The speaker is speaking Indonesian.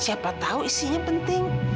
siapa tahu isinya penting